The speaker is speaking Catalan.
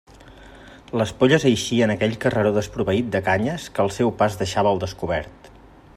Les polles eixien a aquell carreró desproveït de canyes que el seu pas deixava al descobert.